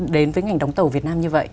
đến với ngành đóng tàu việt nam như vậy